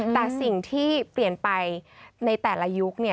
แต่สิ่งที่เปลี่ยนไปในแต่ละยุค